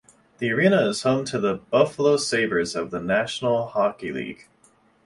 The arena is home to the Buffalo Sabres of the National Hockey League.